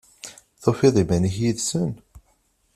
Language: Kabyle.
Tufiḍ iman-ik yid-sen?